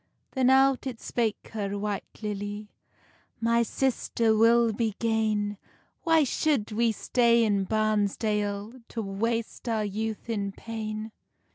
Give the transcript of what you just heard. Then out it spake her, White Lily; "My sister, we'll be gane; Why shou'd we stay in Barnsdale, To waste our youth in pain?"